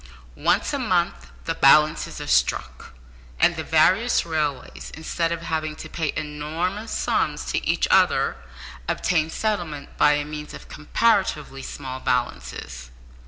Once a month the balances are struck, and the various railways, instead of having to pay enormous sums to each other, obtain settlement by means of comparatively small balances.